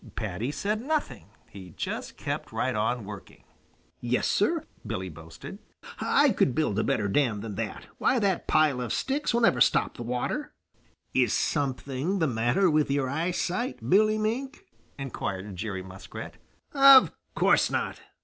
Paddy said nothing; he just kept right on working. "Yes, Sir," Billy boasted. "I could build a better dam than that. Why, that pile of sticks will never stop the water." "Is something the matter with your eyesight, Billy Mink?" inquired Jerry Muskrat. "Of course not!"